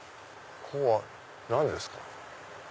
ここは何ですか？